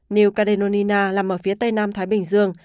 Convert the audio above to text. new cadenina nằm ở phía tây nam thái bình dương